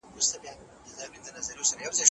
لوبي له لمبو سره بل خوند لري